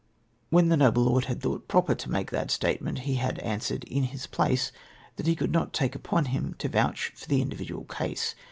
" When the noble lord had thought proper to make that statement, he had answered in his place that he could not take upon him to vouch for the individual case.